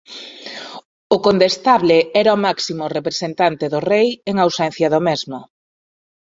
O condestable era o máximo representante do Rei en ausencia do mesmo.